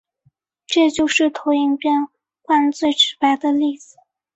这就是投影变换最直白的例子。